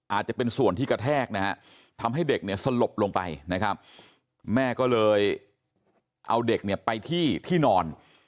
อาจจะเป็นส่วนที่กระแทกทำให้เด็กสลบลงไปแม่ก็เลยเอาเด็กไปที่ที่นอน